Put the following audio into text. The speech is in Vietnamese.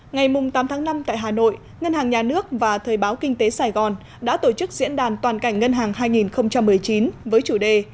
ngày tám tháng năm tại hà nội ngân hàng nhà nước và thời báo kinh tế sài gòn đã tổ chức diễn đàn toàn cảnh ngân hàng hai nghìn một mươi chín với chủ đề